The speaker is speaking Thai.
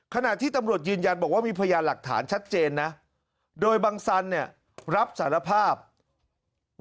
ขณะที่ตำรวจยืนยันบอกว่ามีพยานหลักฐานชัดเจนนะโดยบังสันเนี่ยรับสารภาพ